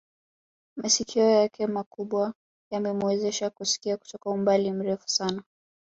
Masikio yake makubwa yanamuwezesha kusikia kutoka umbali mrefu sana